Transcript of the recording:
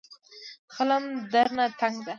د خلم دره تنګه ده